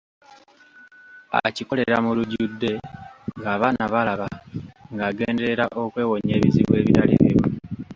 Akikolera mu lujjudde ng'abaana balaba, ng'agenderera okwewonya ebizibu ebitali bimu.